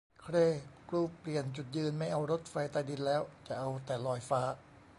เคร กรูเปลี่ยนจุดยืน ไม่เอารถไฟใต้ดินแล้ว จะเอาแต่ลอยฟ้า